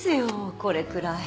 これくらい。